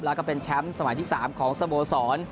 แล้วก็เป็นแชมป์สมัยที่๓ของสโมสร